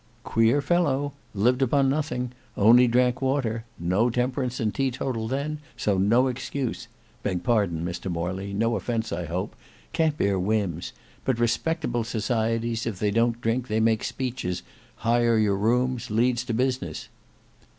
Queer fellow; lived upon nothing; only drank water; no temperance and teetotal then, so no excuse. Beg pardon, Mr Morley; no offence I hope; can't bear whims; but respectable societies, if they don't drink, they make speeches, hire your rooms, leads to business."